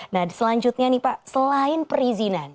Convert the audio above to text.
nah selanjutnya nih pak selain perizinan